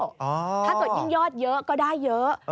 ถ้าเกิดยิ่งยอดเยอะก็ได้เยอะ